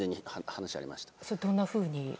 どんなふうに？